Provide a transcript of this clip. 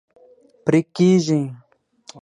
پرې کیږي